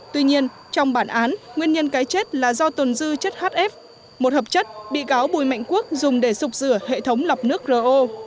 tuy nhiên trong bản án nguyên nhân cái chết là do tồn dư chất hf một hợp chất bị cáo bùi mạnh quốc dùng để sụp rửa hệ thống lọc nước ro